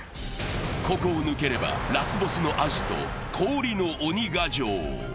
ここを抜ければ、ラスボスのアジト、氷の鬼ヶ城。